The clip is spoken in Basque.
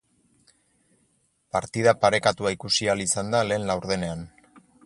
Partida parekatua ikusi ahal izan da lehen laurdenean.